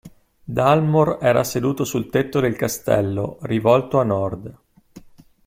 Dalmor era seduto sul tetto del castello, rivolto a nord.